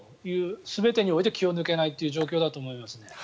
全てにおいて気を抜けない状況だと思います。